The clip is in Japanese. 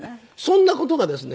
そんな事がですね